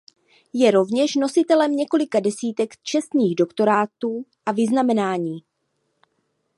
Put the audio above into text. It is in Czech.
Je rovněž nositelem několika desítek čestných doktorátů a vyznamenání.